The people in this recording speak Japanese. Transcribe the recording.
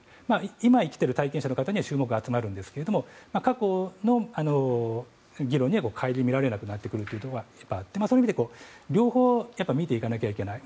今、生きている体験者の方には注目が集まるんですけど過去の議論には顧みられなくなることもあってそういう意味で両方見ていかなきゃいけない。